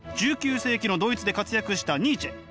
１９世紀のドイツで活躍したニーチェ。